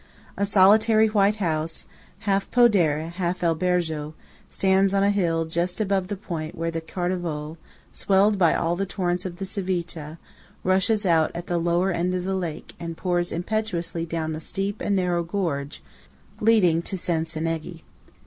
A solitary white house, half podere, half albergo, stands on a hill just above the point where the Cordevole, swelled by all the torrents of the Civita, rushes out at the lower end of the lake and pours impetuously down the steep and narrow gorge leading to Cencenighe.